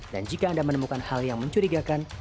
dan jika anda menemukan hal yang mencurigakan